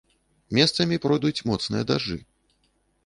Месцамі пройдуць моцныя дажджы.